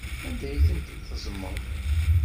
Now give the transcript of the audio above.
Anda ay tent-teẓẓmeḍ?